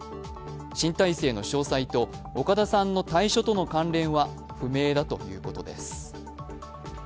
新体制の詳細と岡田さんの退所との関連は不明だということです。